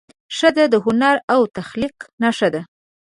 ښځه د هنر او تخلیق نښه ده.